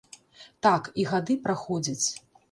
Так, і гады праходзяць.